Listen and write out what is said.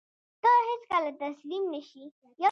ته هېڅکله تسلیم نه شې.